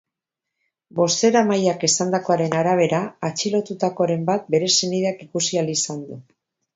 Bozeramaileak esandakoaren arabera, atxilotutakoren bat bere senideak ikusi ahal izan du.